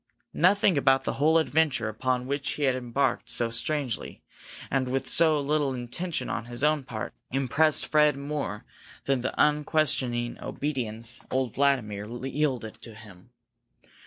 Nothing about the whole adventure upon which he had embarked so strangely, and with so little intention on his own part, impressed Fred more than the unquestioning obedience old Vladimir yielded to him.